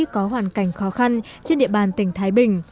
có hoàn cảnh khó khăn trên địa bàn tỉnh thái bình